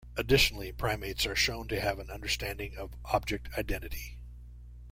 Additionally, primates are shown to have an understanding of object identity.